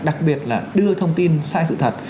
đặc biệt là đưa thông tin sai sự thật